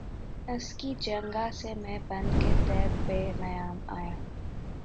کہ اس جنگاہ سے میں بن کے تیغ بے نیام آیا